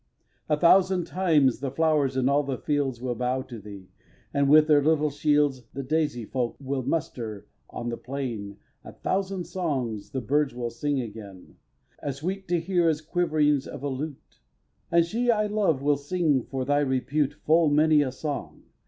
iv. A thousand times the flowers in all the fields Will bow to thee; and with their little shields The daisy folk will muster on the plain. A thousand songs the birds will sing again, As sweet to hear as quiverings of a lute; And she I love will sing, for thy repute, Full many a song.